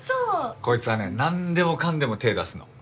こいつはね何でもかんでも手出すの。